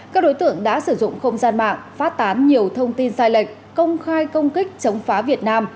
các đối tượng đã sử dụng không gian mạng phát tán nhiều thông tin sai lệch công khai công kích chống phá việt nam